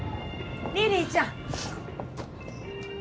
リリィちゃん。